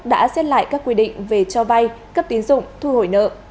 đã xét lại các quy định về cho vay cấp tín dụng thu hồi nợ